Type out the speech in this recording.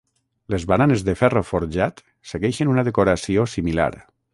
Les baranes de ferro forjat segueixen una decoració similar.